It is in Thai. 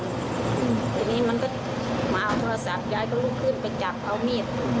ทีนี้มันก็มาเอาโทรศัพท์ยายก็ลุกขึ้นไปจับเอามีด